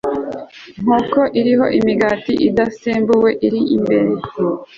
nkoko iriho imigati idasembuwe iri imbere